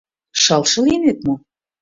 Шылше лийнет мо?